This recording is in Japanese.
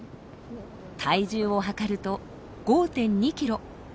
体重を量ると５．２キロ。